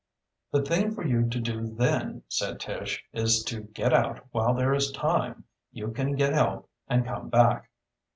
"The thing for you to do then," said Tish, "is to get out while there is time. You can get help and come back."